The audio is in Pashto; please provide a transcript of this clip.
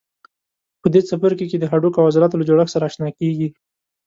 په دې څپرکي کې د هډوکو او عضلاتو له جوړښت سره آشنا کېږئ.